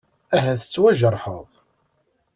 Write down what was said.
Ahat tettwajerḥeḍ?